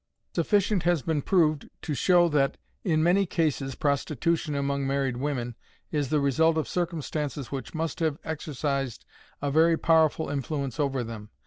Sufficient has been proved to show that in many cases prostitution among married women is the result of circumstances which must have exercised a very powerful influence over them.